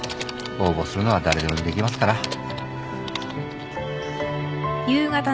応募するのは誰でもできますから。